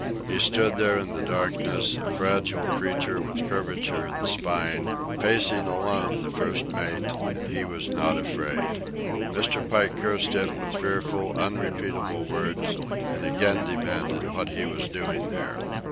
He stood there in the darkness, a fragile creature with curvature of the spine, facing alone the first mate, and he was not afraid. Mr. Pike cursed him with fearful, unrepeatable words, and again demanded what he was doing there.